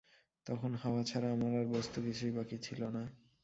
তখন হাওয়া ছাড়া আমার আর বস্তু কিছুই বাকি ছিল না।